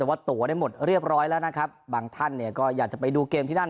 แต่ว่าตัวได้หมดเรียบร้อยแล้วนะครับบางท่านเนี่ยก็อยากจะไปดูเกมที่นั่น